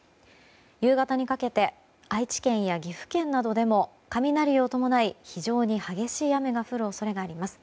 夕方にかけて愛知県や岐阜県などでも雷を伴い非常に激しい雨が降る恐れがあります。